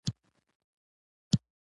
زه د غره په سر باندې يم.